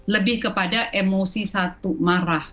lebih kepada emosi satu marah